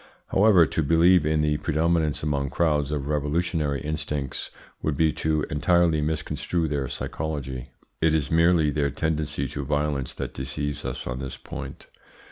However, to believe in the predominance among crowds of revolutionary instincts would be to entirely misconstrue their psychology. It is merely their tendency to violence that deceives us on this point.